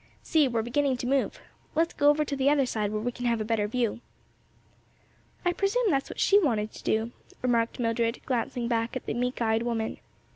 "See, we're beginning to move. Let's go over to the other side where we can have a better view." "I presume that's what she wanted to do," remarked Mildred, glancing back at the meek eyed woman.